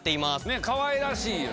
かわいらしいよね。